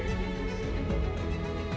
saya merasa terlalu baik